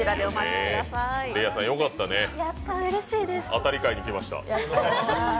当たり回に来ました。